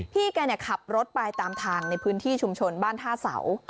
พี่แกขับรถไปตามทางในพื้นที่ชุมชนบ้านท่าเสา